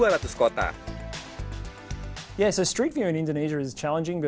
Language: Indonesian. google maps kini menawarkan street view di lebih dari dua ratus kota